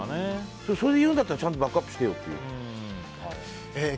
そう言うんだったらちゃんとバックアップしてよっていう。